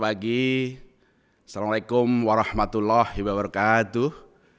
assalamu alaikum warahmatullahi wabarakatuh